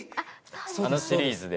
あのシリーズで。